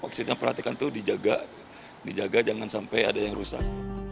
maksudnya perhatikan itu dijaga dijaga jangan sampai ada yang rusak